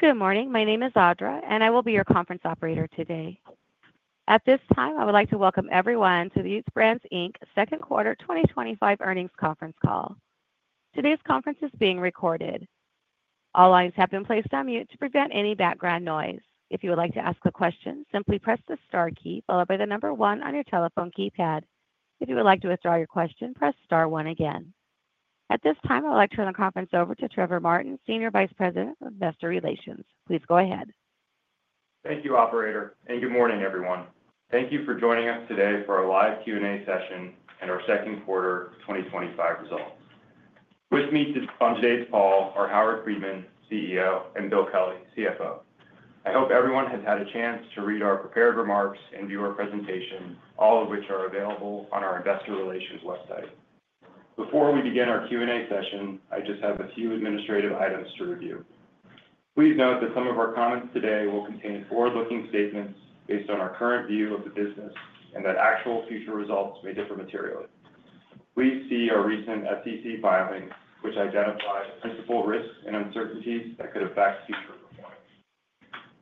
Good morning. My name is Audra, and I will be your conference operator today. At this time, I would like to welcome everyone to the Utz Brands Inc. second quarter 2025 earnings conference call. Today's conference is being recorded. All lines have been placed on mute to prevent any background noise. If you would like to ask a question, simply press the star key followed by the number one on your telephone keypad. If you would like to withdraw your question, press star one again. At this time, I would like to turn the conference over to Trevor Martin, Senior Vice President of Investor Relations. Please go ahead. Thank you, Operator, and good morning, everyone. Thank you for joining us today for our live Q&A session and our second quarter 2025 results. With me on today's call are Howard Friedman, CEO, and Bill Kelly, CFO. I hope everyone has had a chance to read our prepared remarks and view our presentation, all of which are available on our Investor Relations website. Before we begin our Q&A session, I just have a few administrative items to review. Please note that some of our comments today will contain forward-looking statements based on our current view of the business and that actual future results may differ materially. Please see our recent SEC filing, which identifies principal risks and uncertainties that could affect future results.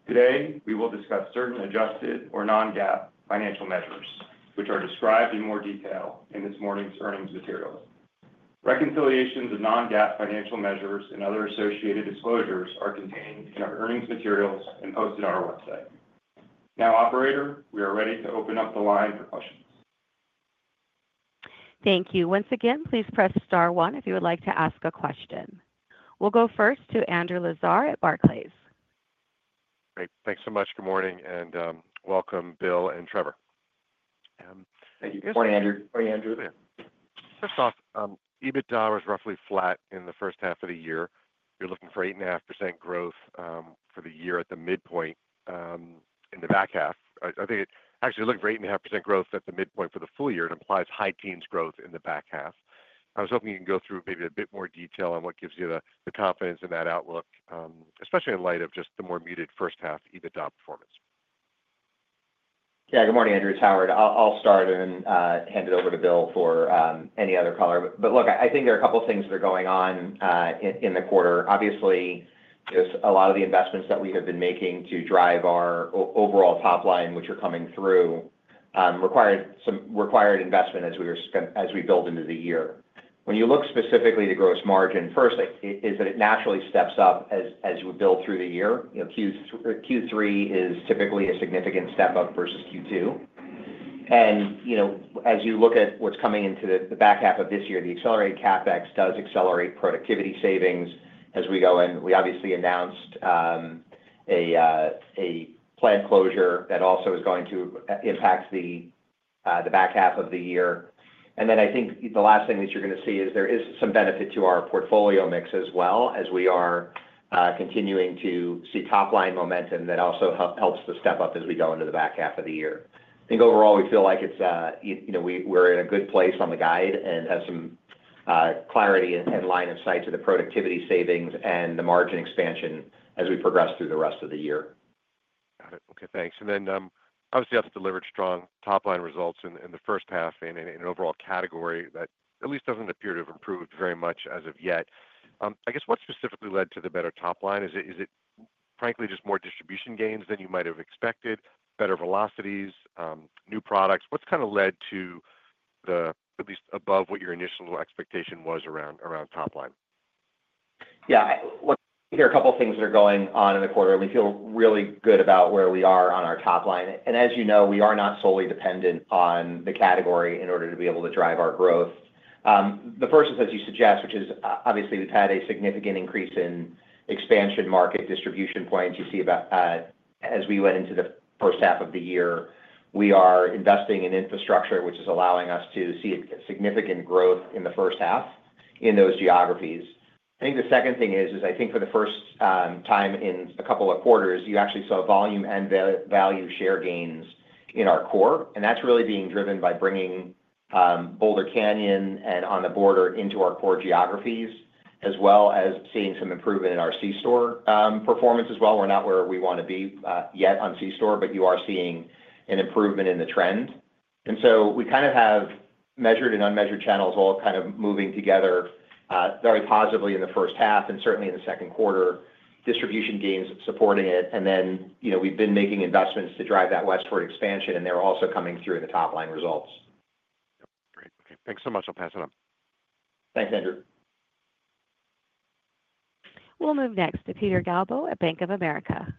Today, we will discuss certain adjusted or non-GAAP financial measures, which are described in more detail in this morning's earnings material. Reconciliations of non-GAAP financial measures and other associated disclosures are contained in our earnings materials and posted on our website. Now, Operator, we are ready to open up the line for questions. Thank you. Once again, please press star one if you would like to ask a question. We'll go first to Andrew Lazar at Barclays. Great. Thanks so much. Good morning and welcome, Bill and Trevor. Thank you. Good morning, Andrew. Morning, Andrew. First off, EBITDA was roughly flat in the first half of the year. You're looking for 8.5% growth for the year at the midpoint in the back half. I think it actually looked for 8.5% growth at the midpoint for the full year. It implies high teens growth in the back half. I was hoping you can go through maybe a bit more detail on what gives you the confidence in that outlook, especially in light of just the more muted first half EBITDA performance. Yeah. Good morning, Andrew. It's Howard. I'll start and hand it over to Bill for any other caller. I think there are a couple of things that are going on in the quarter. Obviously, just a lot of the investments that we have been making to drive our overall top line, which are coming through, required some required investment as we build into the year. When you look specifically at the gross margin, first, is that it naturally steps up as we build through the year. Q3 is typically a significant step up versus Q2. As you look at what's coming into the back half of this year, the accelerated CapEx does accelerate productivity savings. As we go in, we obviously announced a plant closure that also is going to impact the back half of the year. I think the last thing that you're going to see is there is some benefit to our portfolio mix as well, as we are continuing to see top line momentum that also helps to step up as we go into the back half of the year. I think overall we feel like we're in a good place on the guide and have some clarity and line of sight to the productivity savings and the margin expansion as we progress through the rest of the year. Got it. Okay. Thanks. Obviously, that's delivered strong top line results in the first half in an overall category that at least doesn't appear to have improved very much as of yet. I guess what specifically led to the better top line? Is it, frankly, just more distribution gains than you might have expected, better velocities, new products? What's kind of led to the at least above what your initial expectation was around top line? Yeah. Look, here are a couple of things that are going on in the quarter. We feel really good about where we are on our top line. As you know, we are not solely dependent on the category in order to be able to drive our growth. The first is, as you suggest, which is obviously we've had a significant increase in expansion market distribution points. You see about as we went into the first half of the year, we are investing in infrastructure, which is allowing us to see significant growth in the first half in those geographies. I think the second thing is, I think for the first time in a couple of quarters, you actually saw volume and value share gains in our core. That's really being driven by bringing Boulder Canyon and On the Border into our core geographies, as well as seeing some improvement in our C-store performance as well. We're not where we want to be yet on C-store, but you are seeing an improvement in the trend. We kind of have measured and unmeasured channels all kind of moving together very positively in the first half and certainly in the second quarter, distribution gains supporting it. We've been making investments to drive that westward expansion, and they're also coming through in the top line results. Great. Okay, thanks so much. I'll pass it up. Thanks, Andrew. We'll move next to Peter Galbo at Bank of America.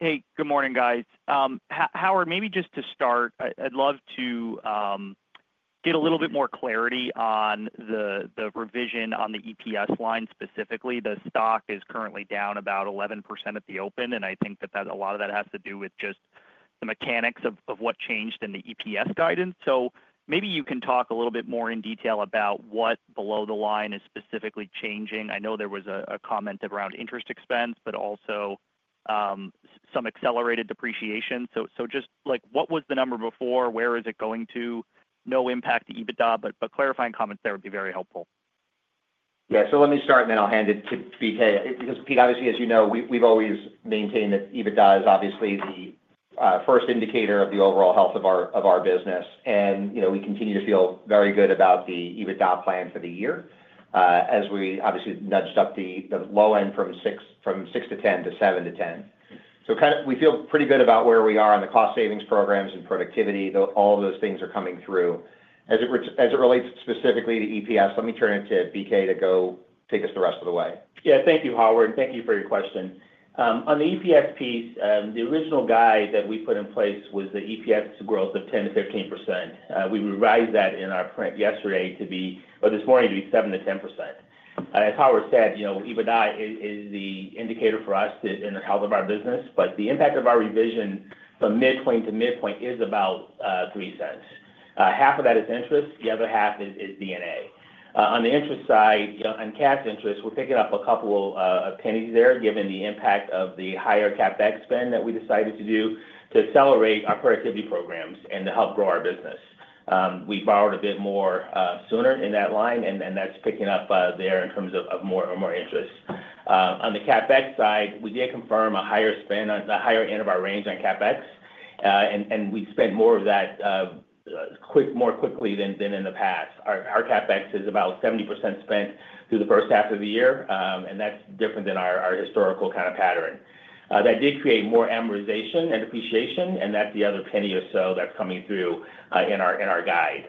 Hey, good morning, guys. Howard, maybe just to start, I'd love to get a little bit more clarity on the revision on the EPS line specifically. The stock is currently down about 11% at the open, and I think that a lot of that has to do with just the mechanics of what changed in the EPS guidance. Maybe you can talk a little bit more in detail about what below the line is specifically changing. I know there was a comment around interest expense, but also some accelerated depreciation. Just like what was the number before? Where is it going to? No impact to EBITDA, but clarifying comments there would be very helpful. Yeah. Let me start, and then I'll hand it to Pete. Pete, obviously, as you know, we've always maintained that EBITDA is the first indicator of the overall health of our business. You know we continue to feel very good about the EBITDA plan for the year, as we nudged up the low end from $6 million-$10 million-$7 million-$10 million. We feel pretty good about where we are in the cost savings programs and productivity. All of those things are coming through. As it relates specifically to EPS, let me turn it to BK to take us the rest of the way. Thank you, Howard. Thank you for your question. On the EPS piece, the original guide that we put in place was the EPS growth of 10%-15%. We revised that in our print yesterday, or this morning, to be 7%-10%. As Howard said, you know EBITDA is the indicator for us in the health of our business. The impact of our revision from midpoint to midpoint is about $0.03. Half of that is interest. The other half is D&A. On the interest side, you know on cap interest, we're picking up a couple of pennies there, given the impact of the higher CapEx spend that we decided to do to accelerate our productivity programs and to help grow our business. We borrowed a bit more sooner in that line, and that's picking up there in terms of more interest. On the CapEx side, we did confirm a higher spend on the higher end of our range on CapEx, and we spent more of that more quickly than in the past. Our CapEx is about 70% spent through the first half of the year, and that's different than our historical kind of pattern. That did create more amortization and depreciation, and that's the other penny or so that's coming through in our guide.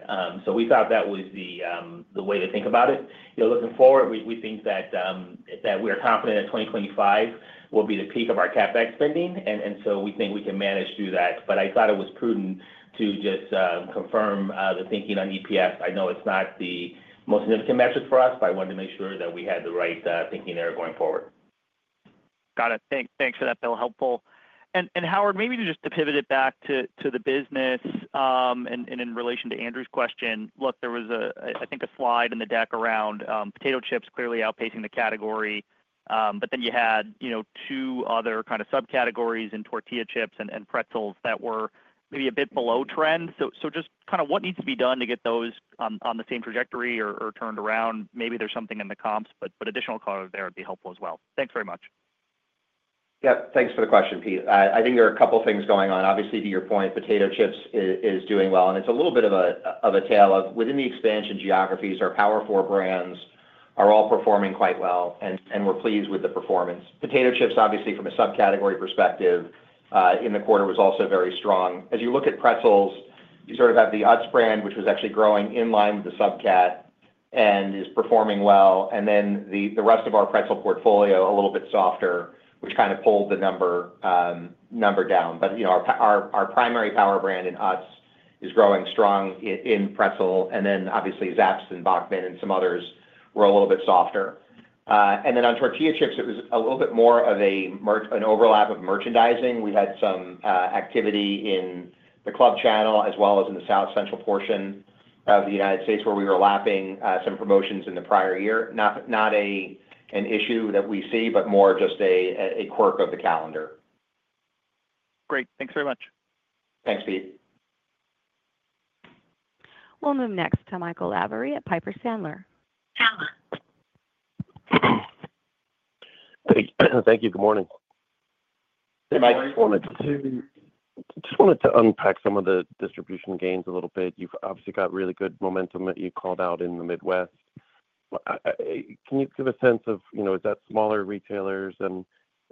We thought that was the way to think about it. Looking forward, we think that we are confident that 2025 will be the peak of our CapEx spending, and we think we can manage through that. I thought it was prudent to just confirm the thinking on EPS. I know it's not the most significant metric for us, but I wanted to make sure that we had the right thinking there going forward. Got it. Thanks for that. That was helpful. Howard, maybe to just pivot it back to the business and in relation to Andrew's question, there was a, I think, a slide in the deck around potato chips clearly outpacing the category. You had two other kind of subcategories in tortilla chips and pretzels that were maybe a bit below trend. Just kind of what needs to be done to get those on the same trajectory or turned around? Maybe there's something in the comps, but additional color there would be helpful as well. Thanks very much. Yeah. Thanks for the question, Pete. I think there are a couple of things going on. Obviously, to your point, potato chips is doing well, and it's a little bit of a tale of within the expansion geographies, our power brands are all performing quite well, and we're pleased with the performance. Potato chips, obviously, from a subcategory perspective in the quarter was also very strong. As you look at pretzels, you sort of have the Utz brand, which was actually growing in line with the subcat and is performing well. The rest of our pretzel portfolio, a little bit softer, which kind of pulled the number down. You know our primary power brand in Utz is growing strong in pretzel, and obviously Zapps and Bachman and some others were a little bit softer. On tortilla chips, it was a little bit more of an overlap of merchandising. We had some activity in the club channel, as well as in the south central portion of the United States, where we were lapping some promotions in the prior year. Not an issue that we see, but more just a quirk of the calendar. Great. Thanks very much. Thanks, Pete. We'll move next to Michael Lavery at Piper Sandler. Thank you. Good morning. Hey, Mike. I just wanted to unpack some of the distribution gains a little bit. You've obviously got really good momentum that you called out in the Midwest. Can you give a sense of, you know, is that smaller retailers and,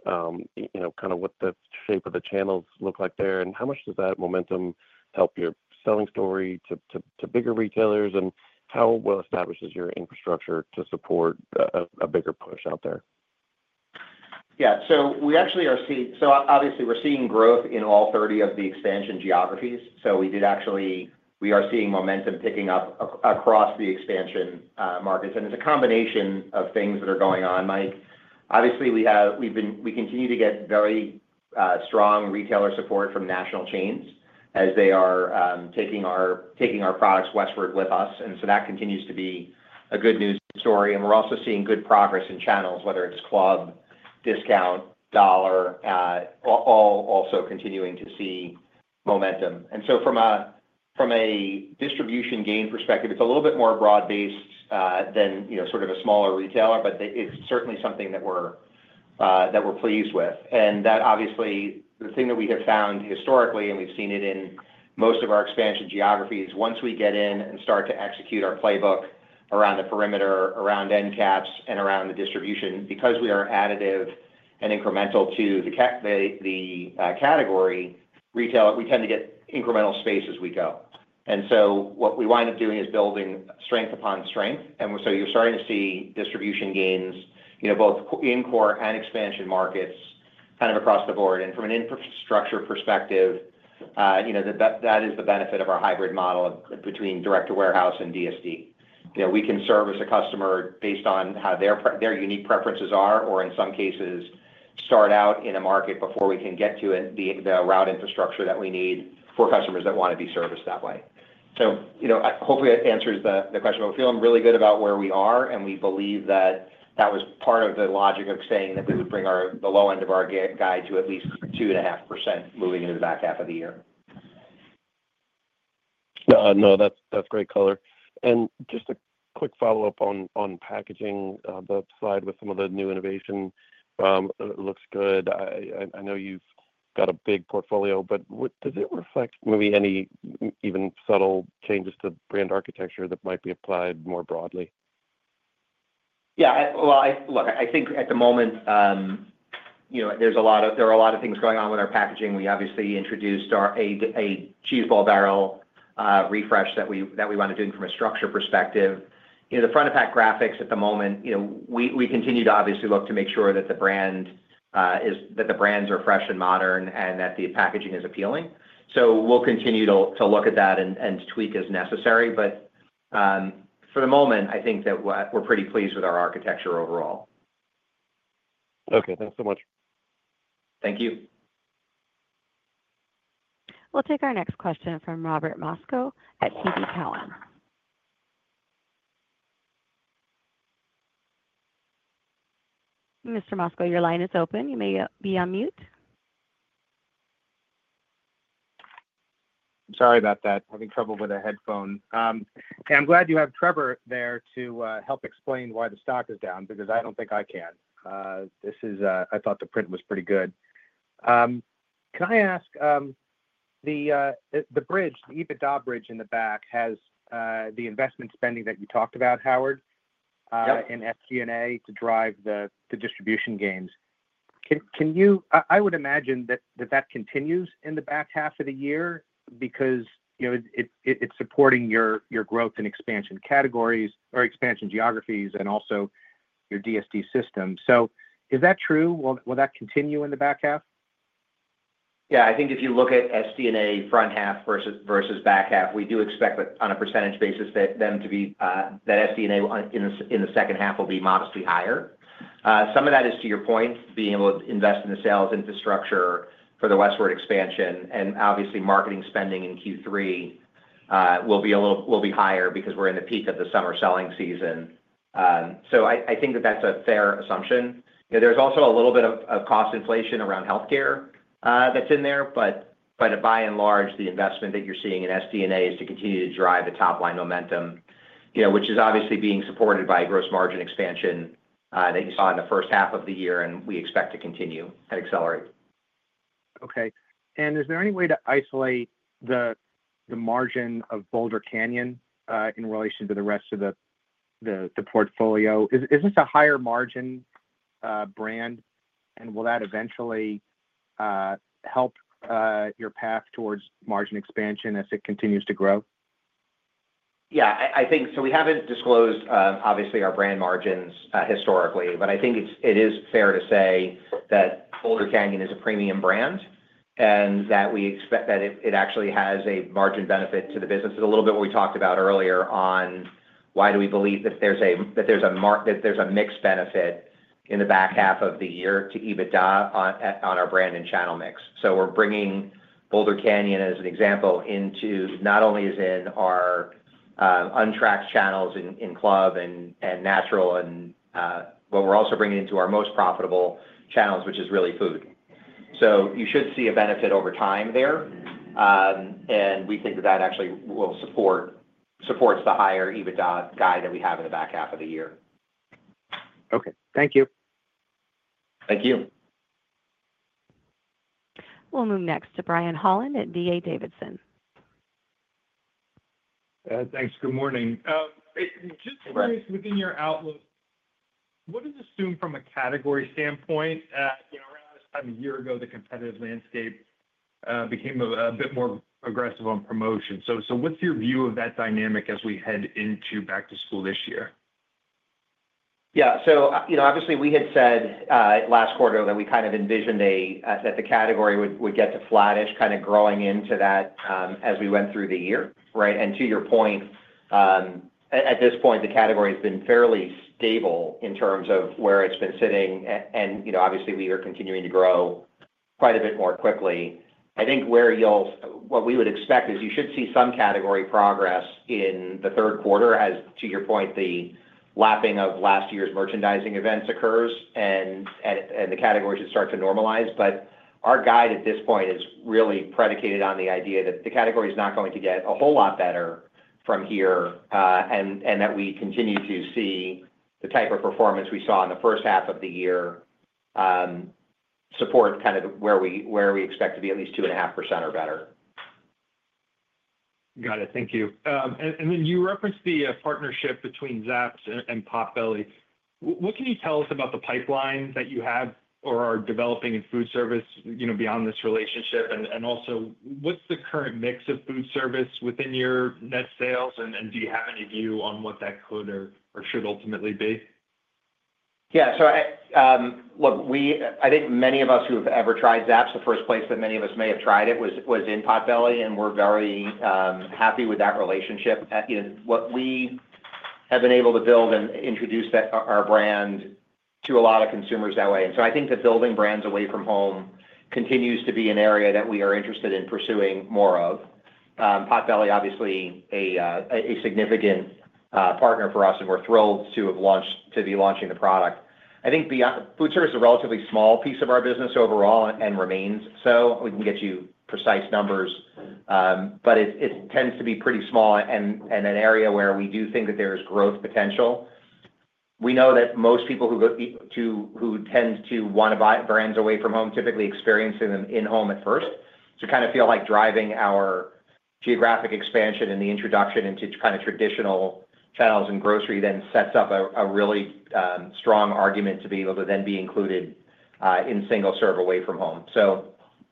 you know, kind of what the shape of the channels look like there? How much does that momentum help your selling story to bigger retailers? How well established is your infrastructure to support a bigger push out there? Yeah. We actually are seeing, obviously, we're seeing growth in all 30 of the expansion geographies. We are seeing momentum picking up across the expansion markets. It's a combination of things that are going on, Mike. We continue to get very strong retailer support from national chains as they are taking our products westward with us. That continues to be a good news story. We're also seeing good progress in channels, whether it's club, discount, dollar, all also continuing to see momentum. From a distribution gain perspective, it's a little bit more broad-based than a smaller retailer, but it's certainly something that we're pleased with. The thing that we have found historically, and we've seen it in most of our expansion geographies, once we get in and start to execute our playbook around the perimeter, around end caps, and around the distribution, because we are additive and incremental to the category, we tend to get incremental space as we go. What we wind up doing is building strength upon strength. You're starting to see distribution gains, both in core and expansion markets, kind of across the board. From an infrastructure perspective, that is the benefit of our hybrid model between direct-to-warehouse and DSD. We can serve as a customer based on how their unique preferences are, or in some cases, start out in a market before we can get to the route infrastructure that we need for customers that want to be serviced that way. Hopefully, that answers the question. We're feeling really good about where we are, and we believe that that was part of the logic of saying that we would bring the low end of our guide to at least 2.5% moving into the back half of the year. No, that's great, Kelly. Just a quick follow-up on packaging, the slide with some of the new innovation looks good. I know you've got a big portfolio, but does it reflect maybe any even subtle changes to the brand architecture that might be applied more broadly? I think at the moment, you know, there are a lot of things going on with our packaging. We obviously introduced a cheeseball barrel refresh that we want to do from a structure perspective. The front of pack graphics at the moment, you know, we continue to obviously look to make sure that the brand is, that the brands are fresh and modern and that the packaging is appealing. We will continue to look at that and tweak as necessary. For the moment, I think that we're pretty pleased with our architecture overall. Okay, thanks so much. Thank you. We'll take our next question from Robert Moskow at TD Cowen. Mr. Moskow, your line is open. You may be on mute. Sorry about that. Having trouble with a headphone. Hey, I'm glad you have Trevor there to help explain why the stock is down because I don't think I can. This is, I thought the print was pretty good. Can I ask, the bridge, the EBITDA bridge in the back has the investment spending that you talked about, Howard, in FG&A to drive the distribution gains. Can you, I would imagine that that continues in the back half of the year because you know it's supporting your growth and expansion geographies and also your DSD system. Is that true? Will that continue in the back half? Yeah. I think if you look at SD&A front half versus back half, we do expect that on a percentage basis SD&A in the second half will be modestly higher. Some of that is, to your point, being able to invest in the sales infrastructure for the westward expansion. Obviously, marketing spending in Q3 will be higher because we're in the peak of the summer selling season. I think that that's a fair assumption. There's also a little bit of cost inflation around healthcare that's in there. By and large, the investment that you're seeing in SD&A is to continue to drive the top line momentum, which is obviously being supported by gross margin expansion that you saw in the first half of the year, and we expect to continue to accelerate. Is there any way to isolate the margin of Boulder Canyon in relation to the rest of the portfolio? Is this a higher margin brand, and will that eventually help your path towards margin expansion as it continues to grow? Yeah. I think, so we haven't disclosed, obviously, our brand margins historically, but I think it is fair to say that Boulder Canyon is a premium brand and that we expect that it actually has a margin benefit to the business. It's a little bit what we talked about earlier on why do we believe that there's a mix benefit in the back half of the year to EBITDA on our brand and channel mix. We're bringing Boulder Canyon as an example into not only in our untracked channels in club and natural, but we're also bringing it into our most profitable channels, which is really food. You should see a benefit over time there. We think that that actually supports the higher EBITDA guide that we have in the back half of the year. Okay, thank you. Thank you. We'll move next to Brian Holland at D.A. Davidson. Thanks. Good morning. Just curious, within your outlook, what is assumed from a category standpoint? Around a year ago, the competitive landscape became a bit more aggressive on promotion. What's your view of that dynamic as we head into back to school this year? Yeah. Obviously, we had said last quarter that we kind of envisioned that the category would get to flattish, kind of growing into that as we went through the year, right? To your point, at this point, the category has been fairly stable in terms of where it's been sitting. Obviously, we are continuing to grow quite a bit more quickly. I think what we would expect is you should see some category progress in the third quarter as, to your point, the lapping of last year's merchandising events occurs and the category should start to normalize. Our guide at this point is really predicated on the idea that the category is not going to get a whole lot better from here and that we continue to see the type of performance we saw in the first half of the year support kind of where we expect to be at least 2.5% or better. Got it. Thank you. You referenced the partnership between Zapps and Potbelly. What can you tell us about the pipeline that you have or are developing in food service, you know, beyond this relationship? Also, what's the current mix of food service within your net sales? Do you have any view on what that could or should ultimately be? Yeah. Look, I think many of us who have ever tried Zapps in the first place, but many of us may have tried it, was in Potbelly, and we're very happy with that relationship. What we have been able to build and introduce our brand to a lot of consumers that way. I think that building brands away from home continues to be an area that we are interested in pursuing more of. Potbelly, obviously, a significant partner for us, and we're thrilled to have to be launching the product. I think food service is a relatively small piece of our business overall and remains so. We can get you precise numbers, but it tends to be pretty small and an area where we do think that there is growth potential. We know that most people who tend to want to buy brands away from home typically experience them in home at first. I kind of feel like driving our geographic expansion and the introduction into traditional channels and grocery then sets up a really strong argument to be able to then be included in single serve away from home.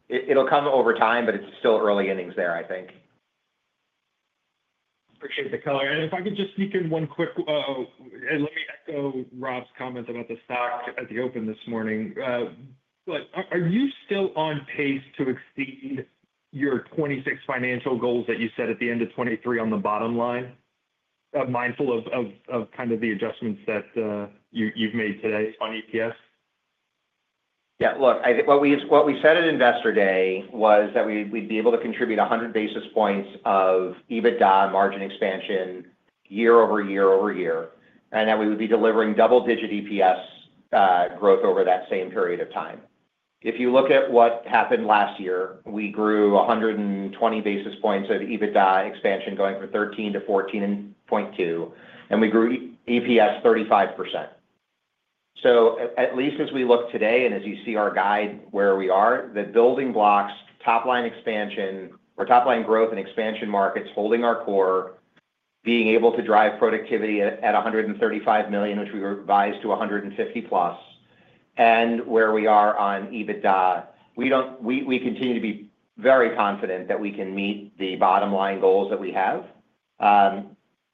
It'll come over time, but it's still early innings there, I think. Appreciate the color. If I could just sneak in one quick, let me echo Rob's comment about the stock at the open this morning. Are you still on pace to exceed your 2026 financial goals that you set at the end of 2023 on the bottom line, mindful of kind of the adjustments that you've made today on EPS? Yeah. Look, I think what we said at Investor Day was that we'd be able to contribute 100 basis points of EBITDA margin expansion year over year over year, and that we would be delivering double-digit EPS growth over that same period of time. If you look at what happened last year, we grew 120 basis points of EBITDA expansion going from 13-14.2 basis points, and we grew EPS 35%. At least as we look today and as you see our guide where we are, the building blocks, top line expansion, or top line growth in expansion markets holding our core, being able to drive productivity at $135 million, which we were advised to $150 million plus, and where we are on EBITDA, we continue to be very confident that we can meet the bottom line goals that we have,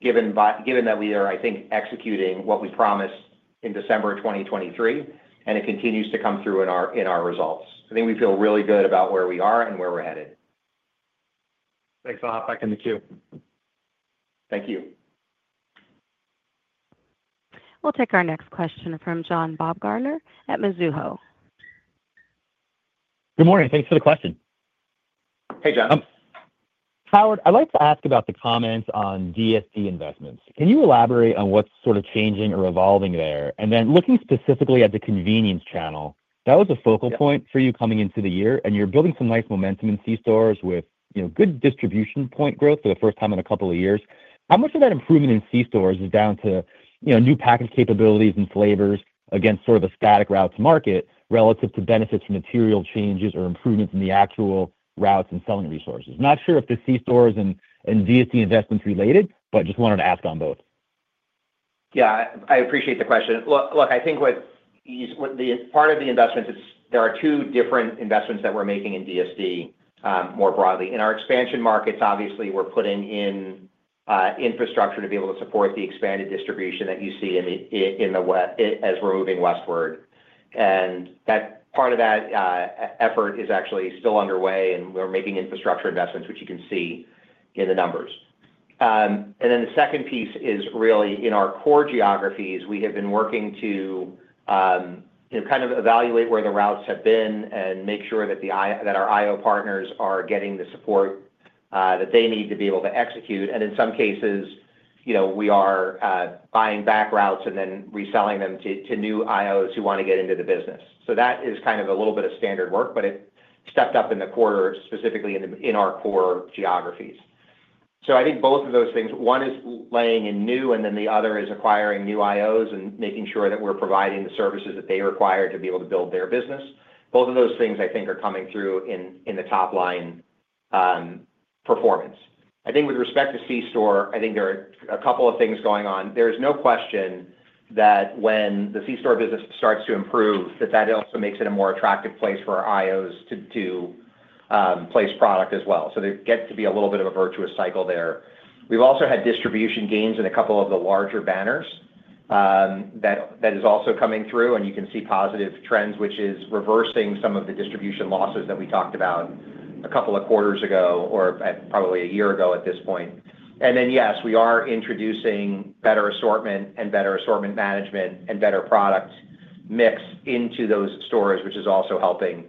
given that we are, I think, executing what we promised in December of 2023, and it continues to come through in our results. I think we feel really good about where we are and where we're headed. Thanks, Howard. Back in the queue. Thank you. We'll take our next question from John Baumgartner at Mizuho. Good morning. Thanks for the question. Hey, John. Howard, I'd like to ask about the comments on DSD investments. Can you elaborate on what's sort of changing or evolving there? Looking specifically at the convenience channel, that was a focal point for you coming into the year, and you're building some nice momentum in C stores with good distribution point growth for the first time in a couple of years. How much of that improvement in C stores is down to new package capabilities and flavors against sort of a static route to market relative to benefits from material changes or improvements in the actual routes and selling resources? I'm not sure if the C stores and DSD investments are related, but just wanted to ask on both. Yeah, I appreciate the question. Look, I think with part of the investments, there are two different investments that we're making in DSD more broadly. In our expansion geographies, obviously, we're putting in infrastructure to be able to support the expanded distribution that you see in the west as we're moving westward. That part of that effort is actually still underway, and we're making infrastructure investments, which you can see in the numbers. The second piece is really in our core geographies, we have been working to kind of evaluate where the routes have been and make sure that our IO partners are getting the support that they need to be able to execute. In some cases, we are buying back routes and then reselling them to new IOs who want to get into the business. That is kind of a little bit of standard work, but it stepped up in the quarter, specifically in our core geographies. I think both of those things, one is laying in new, and then the other is acquiring new IOs and making sure that we're providing the services that they require to be able to build their business. Both of those things, I think, are coming through in the top line performance. I think with respect to C store, I think there are a couple of things going on. There's no question that when the C store business starts to improve, that also makes it a more attractive place for our IOs to place product as well. There gets to be a little bit of a virtuous cycle there. We've also had distribution gains in a couple of the larger banners that is also coming through, and you can see positive trends, which is reversing some of the distribution losses that we talked about a couple of quarters ago or probably a year ago at this point. Yes, we are introducing better assortment and better assortment management and better product mix into those stores, which is also helping.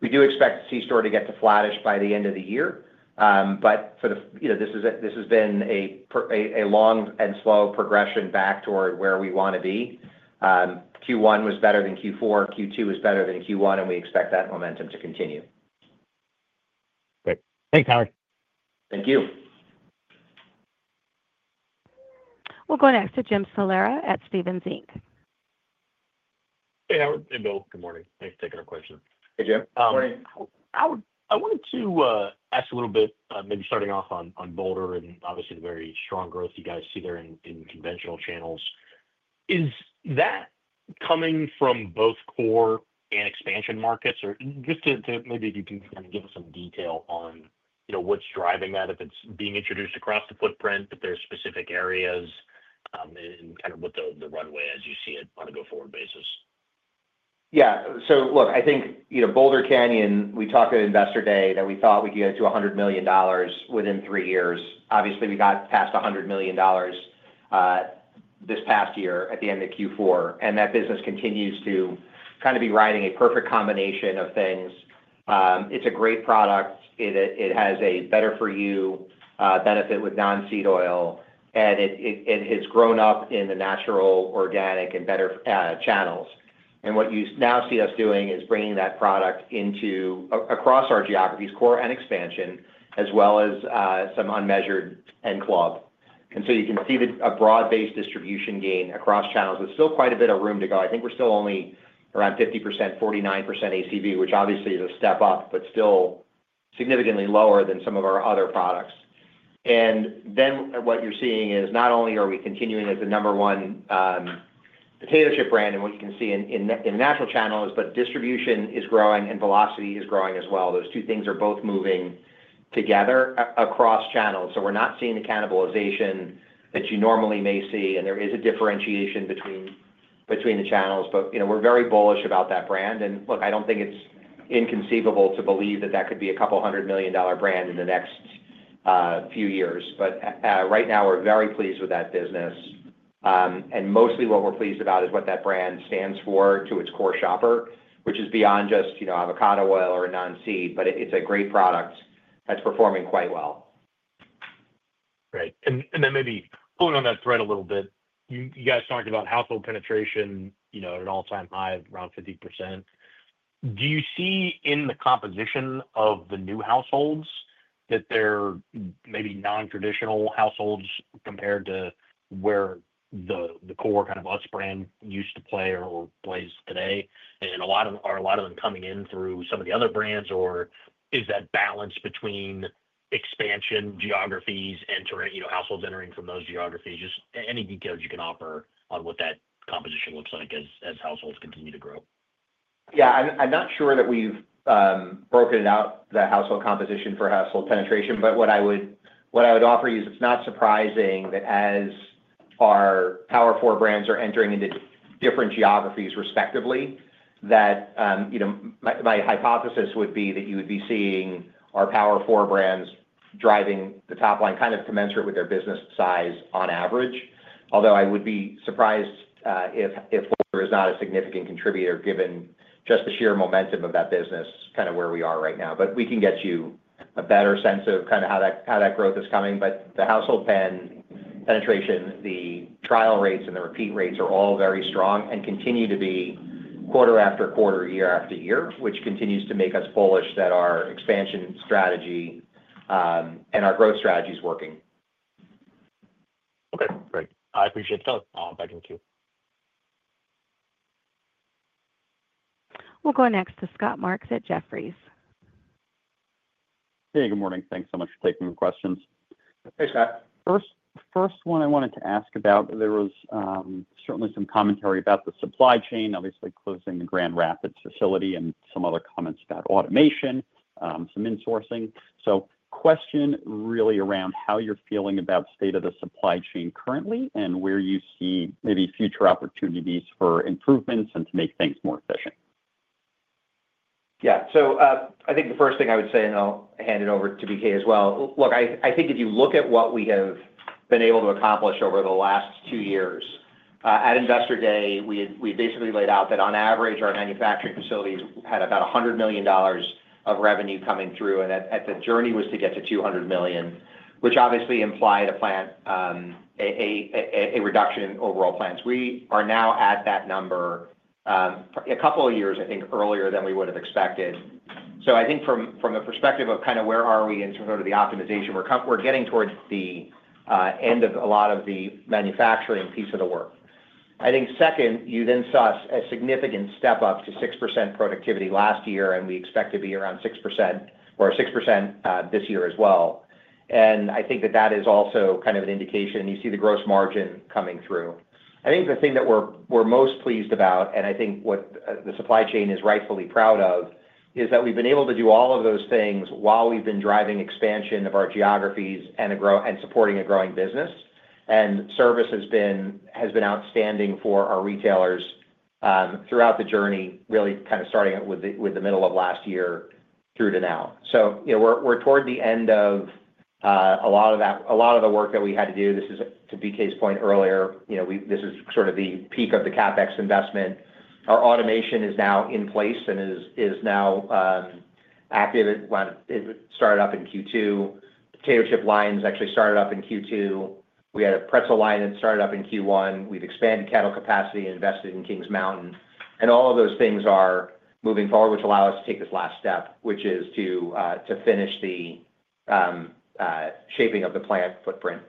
We do expect C store to get to flattish by the end of the year. This has been a long and slow progression back toward where we want to be. Q1 was better than Q4. Q2 was better than Q1, and we expect that momentum to continue. Okay. Thanks, Howard. Thank you. We'll go next to James Salera at Stephens Inc. Hey, Howard. Hey, Bill. Good morning. Thanks for taking our question. Hey, Jim. Morning.I wanted to ask a little bit, maybe starting off on Boulder and obviously the very strong growth you guys see there in conventional channels. Is that coming from both core and expansion geographies? Or just to maybe if you can kind of give us some detail on what's driving that, if it's being introduced across the footprint, if there's specific areas, and kind of what the runway is you see it on a go-forward basis. Yeah. Look, I think, you know, Boulder Canyon, we talked at Investor Day that we thought we could get it to $100 million within three years. Obviously, we got past $100 million this past year at the end of Q4. That business continues to kind of be riding a perfect combination of things. It's a great product. It has a better-for-you benefit with non-seed oil, and it has grown up in the natural, organic, and better channels. What you now see us doing is bringing that product into, across our geographies, core and expansion, as well as some unmeasured and club. You can see a broad-based distribution gain across channels. There's still quite a bit of room to go. I think we're still only around 50%, 49% ACV, which obviously is a step up, but still significantly lower than some of our other products. What you're seeing is not only are we continuing as the number one potato chip brand and what you can see in the natural channels, but distribution is growing and velocity is growing as well. Those two things are both moving together across channels. We're not seeing the cannibalization that you normally may see, and there is a differentiation between the channels. You know, we're very bullish about that brand. I don't think it's inconceivable to believe that could be a couple hundred million dollar brand in the next few years. Right now, we're very pleased with that business. Mostly what we're pleased about is what that brand stands for to its core shopper, which is beyond just, you know, avocado oil or a non-seed, but it's a great product that's performing quite well. Great. Maybe pulling on that thread a little bit, you guys talked about household penetration at an all-time high of around 50%. Do you see in the composition of the new households that they're maybe non-traditional households compared to where the core kind of Utz brand used to play or plays today? Are a lot of them coming in through some of the other brands, or is that balance between expansion geographies and households entering from those geographies? Any details you can offer on what that composition looks like as households continue to grow? Yeah. I'm not sure that we've broken it out, the household composition for household penetration. What I would offer you is it's not surprising that as our power brands are entering into different geographies respectively, my hypothesis would be that you would be seeing our power brands driving the top line kind of commensurate with their business size on average. I would be surprised if there is not a significant contributor given just the sheer momentum of that business kind of where we are right now. We can get you a better sense of how that growth is coming. The household penetration, the trial rates, and the repeat rates are all very strong and continue to be quarter after quarter, year after year, which continues to make us bullish that our expansion strategy and our growth strategy is working. Okay. Great. I appreciate that. I'll back in the queue. We'll go next to Scott Michael Marks at Jefferies. Hey, good morning. Thanks so much for taking the questions. Hey, Scott. The first one I wanted to ask about, there was certainly some commentary about the supply chain, obviously closing the Grand Rapids facility and some other comments about automation, some insourcing. The question is really around how you're feeling about the state of the supply chain currently and where you see maybe future opportunities for improvements and to make things more efficient. Yeah. I think the first thing I would say, and I'll hand it over to BK as well, look, I think if you look at what we have been able to accomplish over the last two years, at Investor Day, we basically laid out that on average, our manufacturing facilities had about $100 million of revenue coming through, and that the journey was to get to $200 million, which obviously implied a reduction in overall plants. We are now at that number a couple of years, I think, earlier than we would have expected. I think from the perspective of kind of where are we in terms of the optimization, we're getting towards the end of a lot of the manufacturing piece of the work. Second, you then saw a significant step up to 6% productivity last year, and we expect to be around 6% this year as well. I think that is also kind of an indication. You see the gross margin coming through. The thing that we're most pleased about, and I think what the supply chain is rightfully proud of, is that we've been able to do all of those things while we've been driving expansion of our geographies and supporting a growing business. Service has been outstanding for our retailers throughout the journey, really kind of starting with the middle of last year through to now. We're toward the end of a lot of the work that we had to do. This is, to BK's point earlier, sort of the peak of the CapEx investment. Our automation is now in place and is now active. It started up in Q2. The potato chip line has actually started up in Q2. We had a pretzel line that started up in Q1. We've expanded kettle capacity and invested in Kings Mountain. All of those things are moving forward, which allow us to take this last step, which is to finish the shaping of the plant footprint.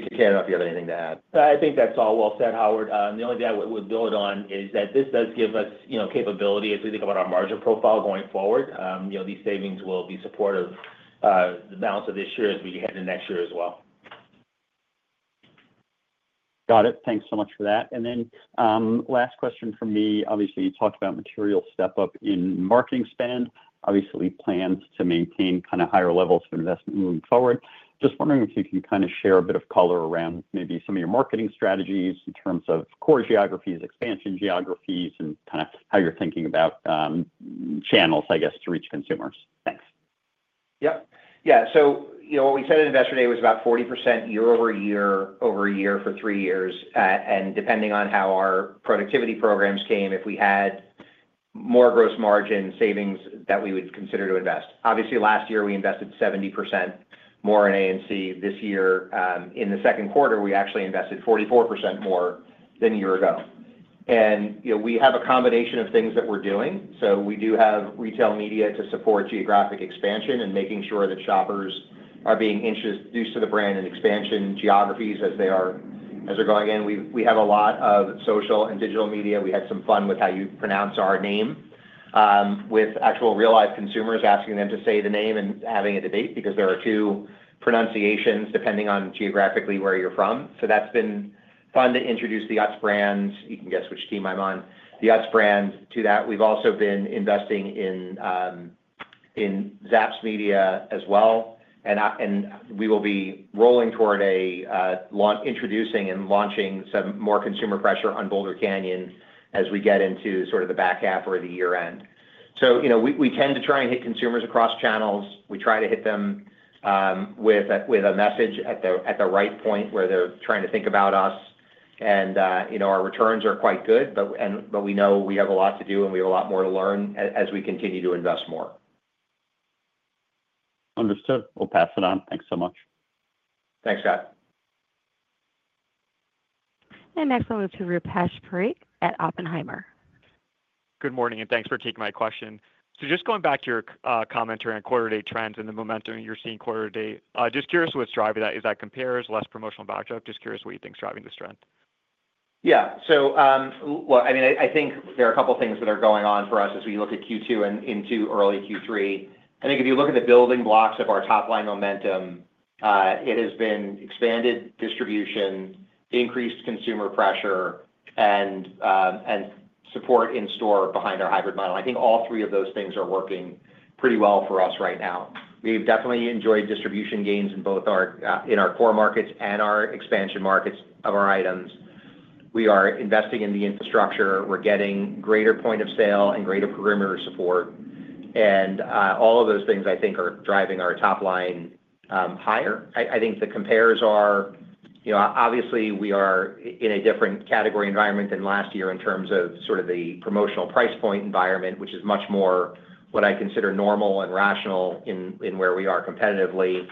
BK, I don't know if you have anything to add. I think that's all well said, Howard. The only thing I would build on is that this does give us capability as we think about our margin profile going forward. These savings will be supportive of the balance of this year as we head into next year as well. Got it. Thanks so much for that. Last question from me. Obviously, you talked about material step up in marketing spend. Obviously, plans to maintain kind of higher levels of investment moving forward. Just wondering if you can kind of share a bit of color around maybe some of your marketing strategies in terms of core geographies, expansion geographies, and kind of how you're thinking about channels, I guess, to reach consumers. Thanks. Yeah. You know what we said in Investor Day was about 40% year-over-year over a year for three years. Depending on how our productivity programs came, if we had more gross margin savings that we would consider to invest. Last year we invested 70% more in ANC. This year, in the second quarter, we actually invested 44% more than a year ago. We have a combination of things that we're doing. We do have retail media to support geographic expansion and making sure that shoppers are being introduced to the brand in expansion geographies as they're going in. We have a lot of social and digital media. We had some fun with how you pronounce our name, with actual real-life consumers asking them to say the name and having a debate because there are two pronunciations depending on geographically where you're from. That's been fun to introduce the Utz brand. You can guess which team I'm on. The Utz brand to that. We've also been investing in Zapps media as well. We will be rolling toward introducing and launching some more consumer pressure on Boulder Canyon as we get into the back half or the year end. We tend to try and hit consumers across channels. We try to hit them with a message at the right point where they're trying to think about us. Our returns are quite good, but we know we have a lot to do and we have a lot more to learn as we continue to invest more. Understood. We'll pass it on. Thanks so much. Thanks, Scott. Next, we'll move to Rupesh Parikh at Oppenheimer. Good morning, and thanks for taking my question. Just going back to your commentary on quarter-date trends and the momentum you're seeing quarter-to-date, just curious what's driving that. Is that comparison? Less promotional backup? Just curious what you think is driving the strength. Yeah. I think there are a couple of things that are going on for us as we look at Q2 and into early Q3. I think if you look at the building blocks of our top line momentum, it has been expanded distribution, increased consumer pressure, and support in store behind our hybrid model. I think all three of those things are working pretty well for us right now. We've definitely enjoyed distribution gains in both our core markets and our expansion geographies of our items. We are investing in the infrastructure. We're getting greater point of sale and greater programmer support. All of those things, I think, are driving our top line higher. I think the comparison is, you know, obviously, we are in a different category environment than last year in terms of the promotional price point environment, which is much more what I consider normal and rational in where we are competitively,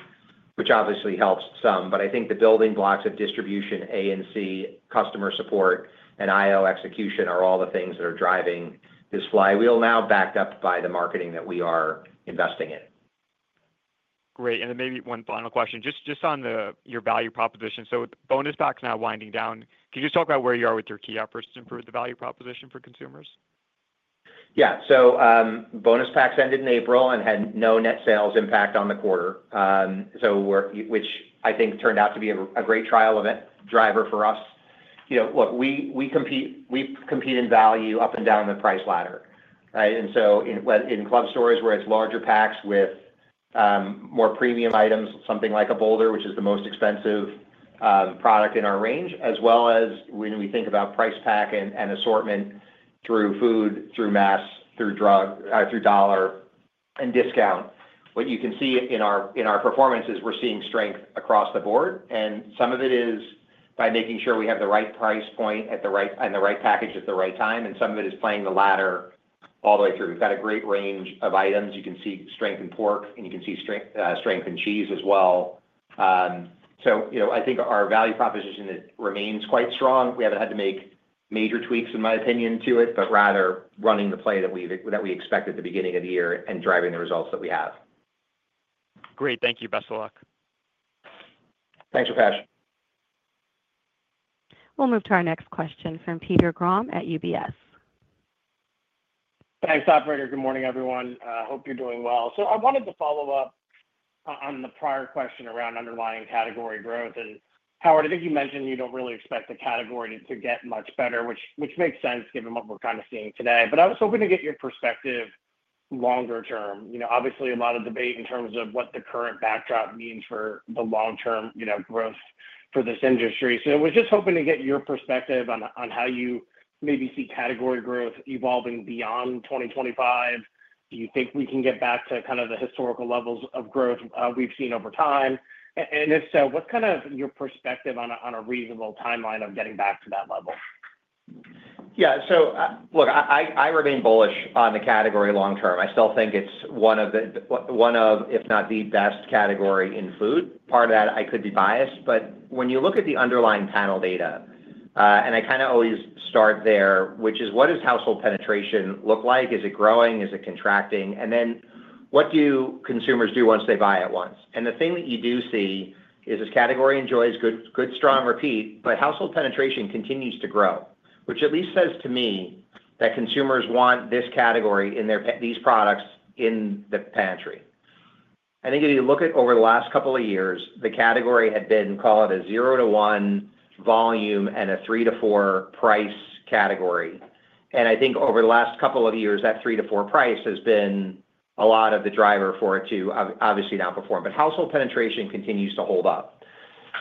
which obviously helps some. I think the building blocks of distribution, ANC, customer support, and IO execution are all the things that are driving this flywheel now backed up by the marketing that we are investing in. Great. Maybe one final question, just on your value proposition. With bonus packs now winding down, can you just talk about where you are with your key efforts to improve the value proposition for consumers? Yeah. Bonus packs ended in April and had no net sales impact on the quarter, which I think turned out to be a great trial of it driver for us. You know, look, we compete in value up and down the price ladder, right? In club stores where it's larger packs with more premium items, something like a Boulder, which is the most expensive product in our range, as well as when we think about price pack and assortment through food, through mass, through drug, through dollar, and discount. What you can see in our performance is we're seeing strength across the board. Some of it is by making sure we have the right price point and the right package at the right time. Some of it is playing the ladder all the way through. We've got a great range of items. You can see strength in pork, and you can see strength in cheese as well. I think our value proposition remains quite strong. We haven't had to make major tweaks, in my opinion, to it, but rather running the play that we expected at the beginning of the year and driving the results that we have. Great. Thank you. Best of luck. Thanks, Rupesh. We'll move to our next question from Peter Grom at UBS. Thanks, Operator. Good morning, everyone. I hope you're doing well. I wanted to follow up on the prior question around underlying category growth. Howard, I think you mentioned you don't really expect the category to get much better, which makes sense given what we're kind of seeing today. I was hoping to get your perspective longer term. Obviously, a lot of debate in terms of what the current backdrop means for the long-term growth for this industry. I was just hoping to get your perspective on how you maybe see category growth evolving beyond 2025. Do you think we can get back to kind of the historical levels of growth we've seen over time? If so, what's kind of your perspective on a reasonable timeline of getting back to that level? Yeah. Look, I remain bullish on the category long term. I still think it's one of the, one of if not the best category in food. Part of that, I could be biased. When you look at the underlying panel data, I kind of always start there, which is what does household penetration look like? Is it growing? Is it contracting? Then what do consumers do once they buy it once? The thing that you do see is this category enjoys good, strong repeat, but household penetration continues to grow, which at least says to me that consumers want this category, these products in the pantry. I think if you look at over the last couple of years, the category had been, call it a 0-1 volume and a 3%-4% price category. I think over the last couple of years, that 3%-4% price has been a lot of the driver for it to obviously outperform. Household penetration continues to hold up.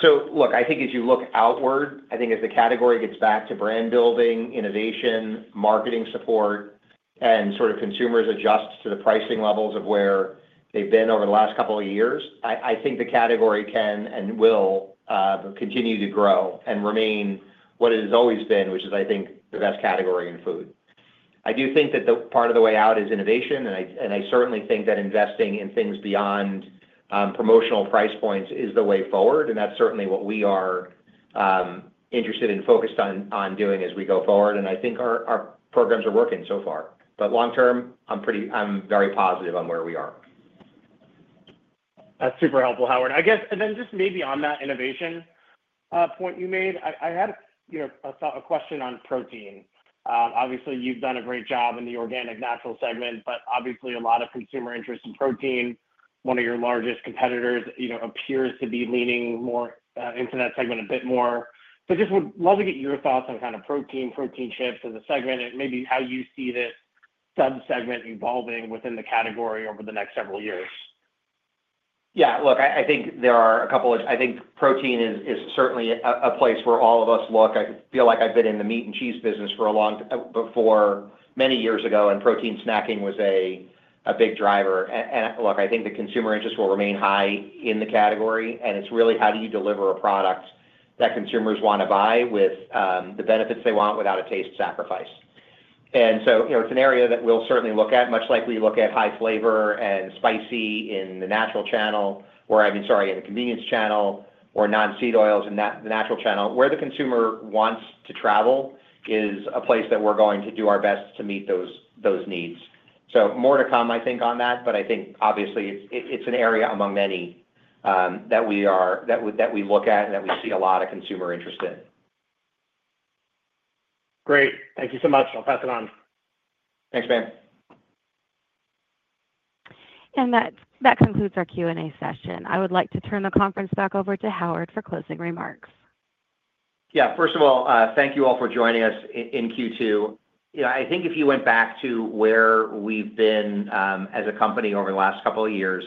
I think as you look outward, as the category gets back to brand building, innovation, marketing support, and consumers adjust to the pricing levels of where they've been over the last couple of years, the category can and will continue to grow and remain what it has always been, which is, I think, the best category in food. I do think that part of the way out is innovation, and I certainly think that investing in things beyond promotional price points is the way forward. That's certainly what we are interested and focused on doing as we go forward. I think our programs are working so far. Long term, I'm very positive on where we are. That's super helpful, Howard. I guess, just maybe on that innovation point you made, I had a question on protein. Obviously, you've done a great job in the organic natural segment, but obviously, a lot of consumer interest in protein, one of your largest competitors appears to be leaning more into that segment a bit more. I just would love to get your thoughts on kind of protein, protein chips as a segment, and maybe how you see that subsegment evolving within the category over the next several years. Yeah. Look, I think there are a couple of, I think protein is certainly a place where all of us look. I feel like I've been in the meat and cheese business for many years ago, and protein snacking was a big driver. I think the consumer interest will remain high in the category, and it's really how do you deliver a product that consumers want to buy with the benefits they want without a taste sacrifice. It's an area that we'll certainly look at, much like we look at high flavor and spicy in the convenience channel, or non-seed oils in the natural channel. Where the consumer wants to travel is a place that we're going to do our best to meet those needs. More to come, I think, on that, but I think obviously it's an area among many that we look at and that we see a lot of consumer interest in. Great. Thank you so much. I'll pass it on. Thanks, Ben. That concludes our Q&A session. I would like to turn the conference back over to Howard for closing remarks. Yeah. First of all, thank you all for joining us in Q2. If you went back to where we've been as a company over the last couple of years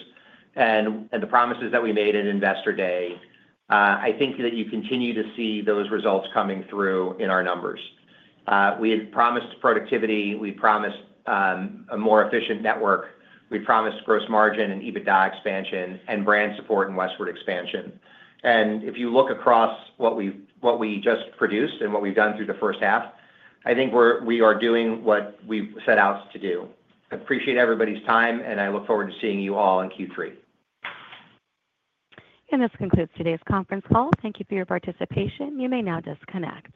and the promises that we made at Investor Day, I think that you continue to see those results coming through in our numbers. We had promised productivity, a more efficient network, gross margin and EBITDA expansion, brand support, and westward expansion. If you look across what we just produced and what we've done through the first half, I think we are doing what we set out to do. I appreciate everybody's time, and I look forward to seeing you all in Q3. This concludes today's conference call. Thank you for your participation. You may now disconnect.